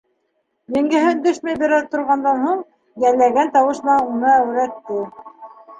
Еңгәһе, өндәшмәй бер аҙ торғандан һуң, йәлләгән тауыш менән уны әүрәтте: